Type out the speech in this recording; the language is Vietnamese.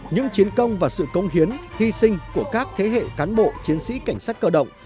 những chiến công và sự công hiến hy sinh của các thế hệ cán bộ chiến sĩ cảnh sát cơ động